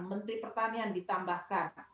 menteri pertanian ditambahkan